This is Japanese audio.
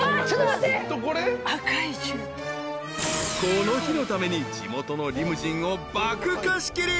［この日のために地元のリムジンを爆貸し切り］